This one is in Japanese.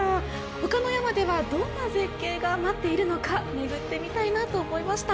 他の山ではどんな絶景が待っているのか巡ってみたいなと思いました。